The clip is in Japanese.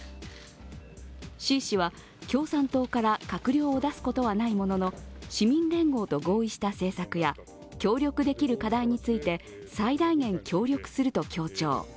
志位氏は共産党から閣僚を出すことはないものの市民連合と合意した政策や協力できる課題について最大限協力すると強調。